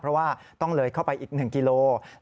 เพราะว่าต้องเลยเข้าไปอีก๑กิโล